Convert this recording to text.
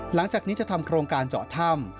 หลังจากนี้จะทำโครงการเจาะถ้ำ